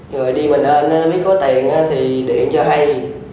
rồi đi mà nên biết có tiền thì điện cho hay